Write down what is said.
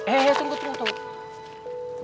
eh tunggu tunggu tunggu